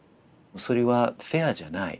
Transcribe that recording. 「それはフェアじゃないダメだ」。